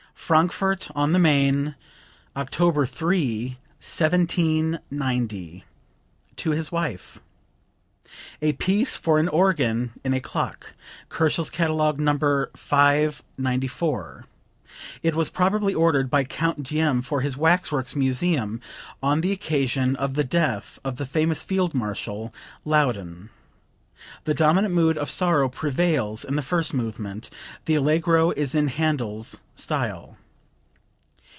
(Frankfort on the Main, October 3, 1790, to his wife. "A Piece for an Organ in a Clock." [Kochel's catalogue, No. 594.] It was probably ordered by Count Deym for his Wax works Museum on the occasion of the death of the famous Field Marshal Laudon. The dominant mood of sorrow prevails in the first movement; the Allegro is in Handel's style.)